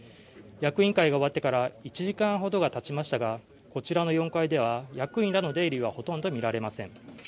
役員会が終わってから１時間ほどがたちましたがこちらの４階では役員らの出入りはほとんど見られません。